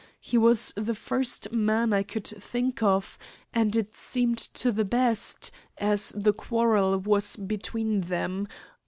He was the first man I could think of, and it seemed to be best, as the quarrel was between them.